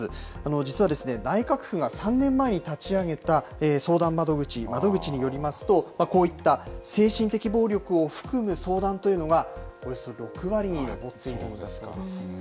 実はですね、内閣府が３年前に立ち上げた相談窓口、窓口によりますと、こういった精神的暴力を含む相談というのが、およそ６割に上っているんだそうです。